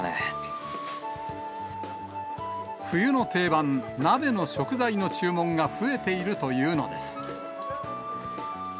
冬の定番、鍋の食材の注文が増えているというのです。